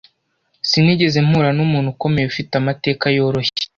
sinigeze mpura n'umuntu ukomeye ufite amateka yoroshye